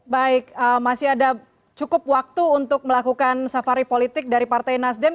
baik masih ada cukup waktu untuk melakukan safari politik dari partai nasdem